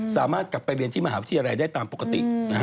สามารถกลับไปเรียนที่มหาวิทยาลัยได้ตามปกติ